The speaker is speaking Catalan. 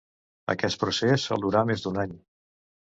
Aquest procés sol durar més d’un any.